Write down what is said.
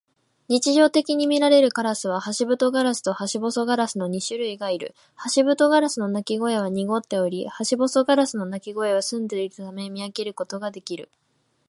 日常的にみられるカラスはハシブトガラスとハシボソガラスの二種類がいる。ハシブトガラスの鳴き声は濁っており、ハシボソガラスの鳴き声は澄んでいるため、見分けることができる。